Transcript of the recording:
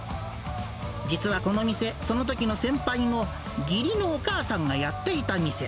実はこの店、そのときの先輩の義理のお母さんがやっていた店。